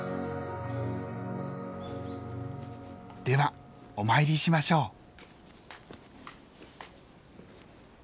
ではお参りしましょう。